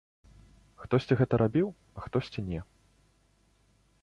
Хтосьці гэта рабіў, а хтосьці не.